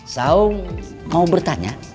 saung mau bertanya